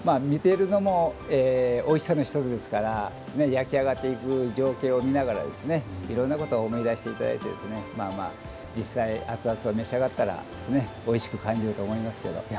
見てるのもおいしさの一つですから焼き上がっていく情景を見ながらいろんなことを思い出して頂いて実際アツアツを召し上がったらおいしく感じると思いますけど。